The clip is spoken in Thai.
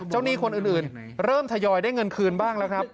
หนี้คนอื่นเริ่มทยอยได้เงินคืนบ้างแล้วครับ